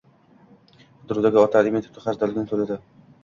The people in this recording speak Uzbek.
Qidiruvdagi ota aliment qarzdorligini to‘ladi